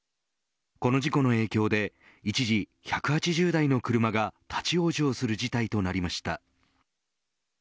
この事故の影響で一時、１８０台の車が立ち往生する事態となりました。